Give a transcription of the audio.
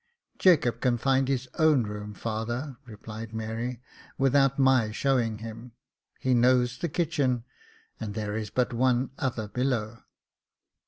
" Jacob can find his own room, father," replied Mary, " without my showing him j he knows the kitchen, and there is but one other below."